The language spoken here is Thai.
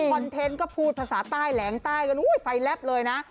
เทนต์ก็พูดภาษาใต้แหลงใต้กันอุ้ยไฟแลบเลยนะ